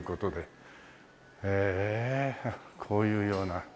へえこういうような。